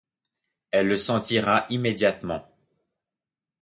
Elle le sentira immédiatement.